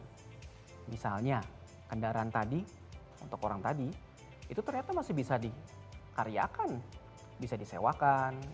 jadi misalnya kendaraan tadi untuk orang tadi itu ternyata masih bisa dikaryakan bisa disewakan